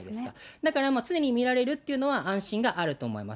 だから常に見られるというのは安心があると思います。